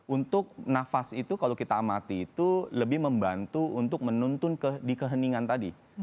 untuk nafas itu kalau kita amati itu lebih membantu untuk menuntun di keheningan tadi